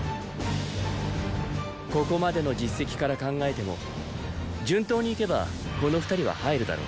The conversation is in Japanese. ここまでの実績から考えても順当にいけばこの二人は入るだろう。